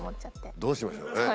どうしましょうね。